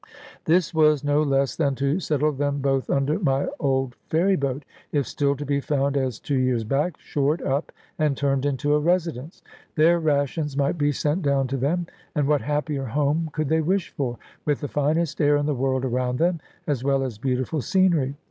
This was no less than to settle them both under my old ferry boat, if still to be found as two years back, shored up and turned into a residence. Their rations might be sent down to them, and what happier home could they wish for, with the finest air in the world around them, as well as beautiful scenery?